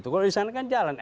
kalau di sana kan jalan